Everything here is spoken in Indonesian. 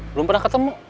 belum pernah ketemu